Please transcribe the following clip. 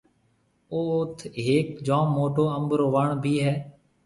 اوٿ هيڪ جوم موٽو انڀ رو وڻ ڀِي هيَ۔